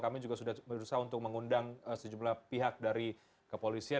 kami juga sudah berusaha untuk mengundang sejumlah pihak dari kepolisian